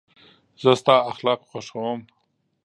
زه ستا اخلاق خوښوم.